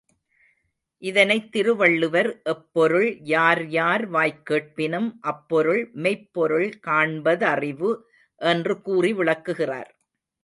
இதனைத் திருவள்ளுவர், எப்பொருள் யார்யார் வாய்க் கேட்பினும் அப்பொருள் மெய்ப்பொருள் காண்ப தறிவு என்று கூறி விளக்குகிறார்!